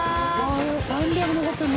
３００残ってるの！？